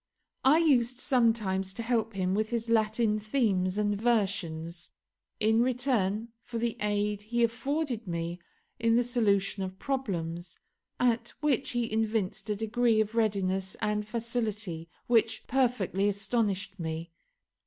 I used sometimes to help him with his Latin themes and versions in return for the aid he afforded me in the solution of problems, at which he evinced a degree of readiness and facility which perfectly astonished me.